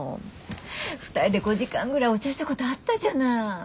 ２人で５時間ぐらいお茶したことあったじゃない。